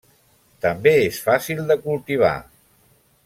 També és fàcil de cultivar.